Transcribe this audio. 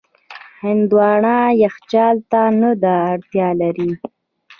هندوانه یخچال ته نه ده اړتیا لري.